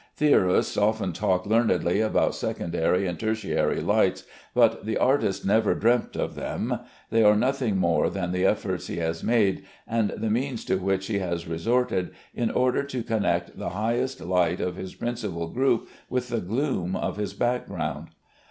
Theorists often talk learnedly about secondary and tertiary lights, but the artist never dreamt of them. They are nothing more than the efforts he has made, and the means to which he has resorted, in order to connect the highest light of his principal group with the gloom of his background.